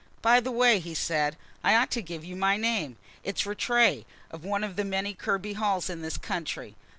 "By the way," he said, "I ought to give you my name. It's Rattray, of one of the many Kirby Halls in this country.